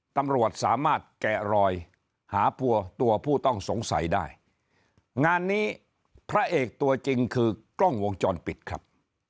ตำรวจสามารถแกะรอยหาตัวผู้ต้องสงสัยได้งานนี้พระเอกตัวจริงคือกล้องวงจรปิดครับ